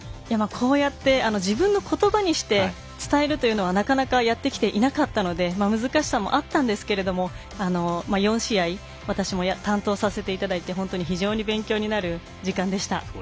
こうやって自分の言葉にして伝えるというのはなかなかやってきていなかったので難しさもあったんですけれども４試合私も担当させていただいて本当に非常に勉強になる時間でした。